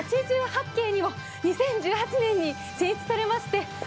八景にも２０１８年に選出されました。